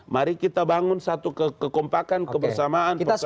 mari kita bangun satu kekompakan kebersamaan persatuan